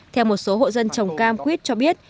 theo một số hộ dân trồng cam quýt cho biết